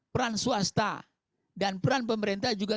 peran swasta dan peran pemerintah juga